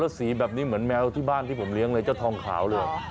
สีแบบนี้เหมือนแมวที่บ้านที่ผมเลี้ยงเลยเจ้าทองขาวเลย